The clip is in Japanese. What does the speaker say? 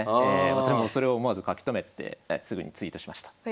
もちろんそれを思わず書き留めてすぐにツイートしました。